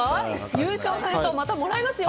優勝するとまたもらえますよ